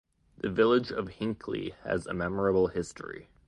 The Village of Hinckley has a memorable history.